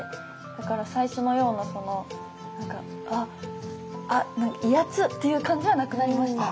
だから最初のような威圧っていう感じはなくなりました。